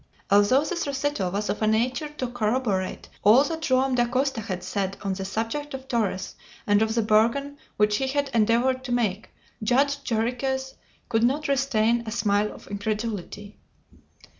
Although this recital was of a nature to corroborate all that Joam Dacosta had said on the subject of Torres, and of the bargain which he had endeavored to make, Judge Jarriquez could not restrain a smile of incredulity.